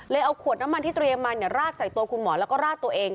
เอาขวดน้ำมันที่เตรียมมาราดใส่ตัวคุณหมอแล้วก็ราดตัวเอง